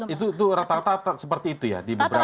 itu rata rata seperti itu ya di beberapa